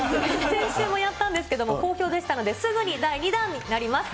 先週もやったんですけれども、好評でしたので、すぐに第２弾になります。